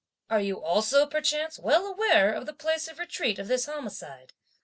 Are you also perchance well aware of the place of retreat of this homicide?"